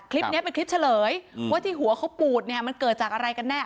คลิปนี้เป็นคลิปเฉลยว่าที่หัวเขาปูดเนี่ยมันเกิดจากอะไรกันแน่